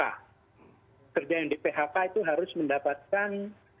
pekerja yang di phk itu harus mendapatkan